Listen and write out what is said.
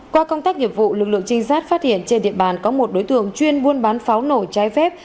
qua công tác nghiệp vụ lực lượng trinh sát phát hiện trên địa bàn có một đối tượng chuyên buôn bán pháo nổ trái phép